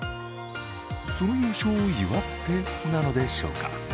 その優勝を祝ってなのでしょうか。